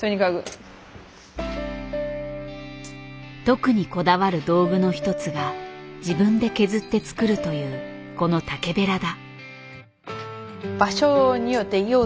特にこだわる道具の一つが自分で削って作るというこの竹べらだ。